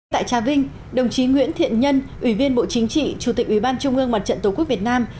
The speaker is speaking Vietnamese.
tại trà vinh đồng chí nguyễn thiện nhân ủy viên bộ chính trị chủ tịch ủy ban trung ương mặt trận tổ quốc việt nam